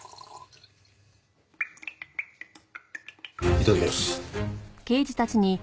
いただきます。